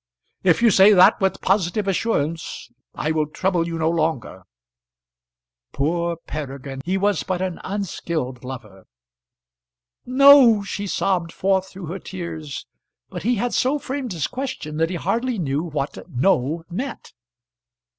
If you say that with positive assurance, I will trouble you no longer." Poor Peregrine! He was but an unskilled lover! "No!" she sobbed forth through her tears; but he had so framed his question that he hardly knew what No meant.